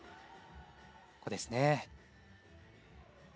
ここですね。